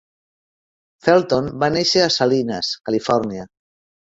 Felton va néixer a Salinas, Califòrnia.